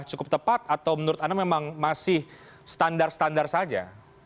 cukup tepat atau menurut anda memang masih standar standar saja